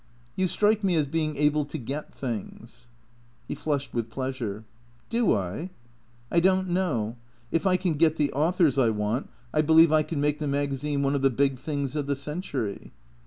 " You strike me as being able to get things." He flushed with pleasure. " Do I ? I don't know. If I can get the authors I want I believe I can make the magazine one of the big things of the century."